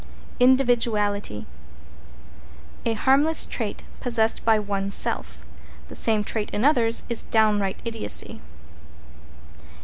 =INDIVIDUALITY= A harmless trait possessed by one's self. The same trait in others is downright idiocy.